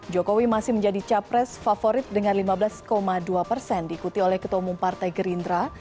jokowi masih menjadi capres favorit dengan lima belas dua persen diikuti oleh ketua umum partai gerindra